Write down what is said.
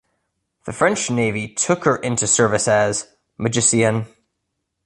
The French Navy took her into service as "Magicienne".